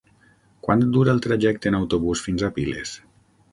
Quant dura el trajecte en autobús fins a Piles?